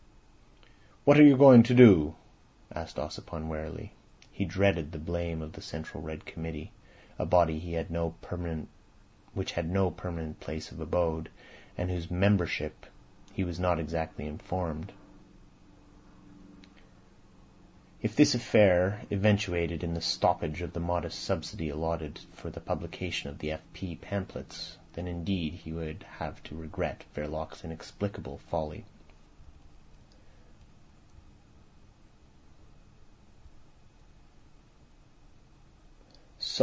"What are you going to do?" asked Ossipon wearily. He dreaded the blame of the Central Red Committee, a body which had no permanent place of abode, and of whose membership he was not exactly informed. If this affair eventuated in the stoppage of the modest subsidy allotted to the publication of the F. P. pamphlets, then indeed he would have to regret Verloc's inexplicable folly.